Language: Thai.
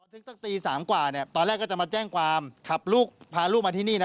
ถึงสักตี๓กว่าเนี่ยตอนแรกก็จะมาแจ้งความขับลูกพาลูกมาที่นี่นะ